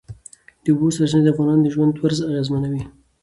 د اوبو سرچینې د افغانانو د ژوند طرز اغېزمنوي.